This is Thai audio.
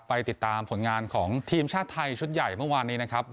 ไปติดตามผลงานของทีมชาติไทยชุดใหญ่เมื่อวานนี้นะครับ